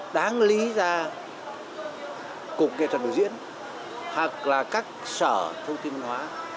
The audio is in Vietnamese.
đáng lý ra cục nghệ thuật biểu diễn hoặc là các sở thông tin văn hóa